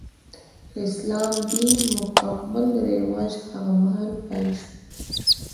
د اسلام دین مکمل رواج هغه مهال پیل شو.